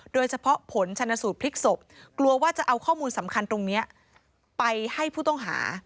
โดยเฉพาะผลชนสูตรพลิกศพกลัวว่าจะเอาข้อมูลสำคัญตรงนี้ไปให้ผู้ต้องหา